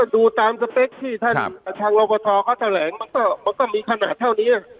ดูตามสเปคที่ท่านทางรบทเขาแถลงมันก็มีขนาดเท่านี้